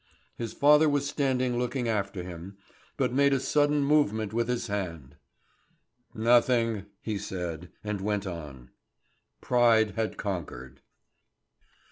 His father was standing looking after him, but made a sudden movement with his hand. "Nothing!" he said, and went on. Pride had conquered.